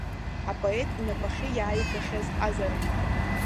Апоет инапахьы иааигахьаз ҟазаран.